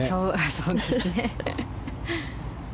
そうですね。